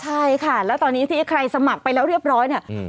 ใช่ค่ะแล้วตอนนี้ที่ใครสมัครไปแล้วเรียบร้อยเนี่ย